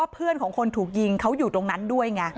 เพื่อนของคนถูกยิงเขาอยู่ตรงนั้นด้วยไง